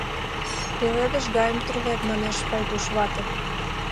Пеледыш гайым тӱрлет, — манеш Пайдуш вате.